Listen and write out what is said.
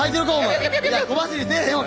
いや小走りせえへんわ！